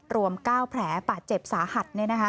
รวม๙แผลบาดเจ็บสาหัส